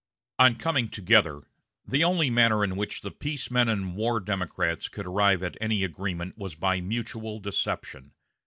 On coming together, the only manner in which the peace men and war Democrats could arrive at an agreement was by mutual deception.